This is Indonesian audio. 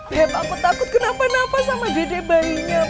beb aku takut kenapa napa sama dedek bayinya pak